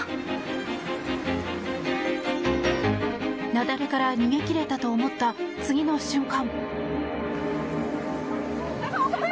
雪崩から逃げ切れたと思った次の瞬間。